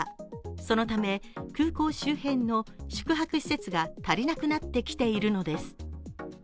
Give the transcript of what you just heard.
そのため空港周辺の宿泊施設が足りなくなってきているのです。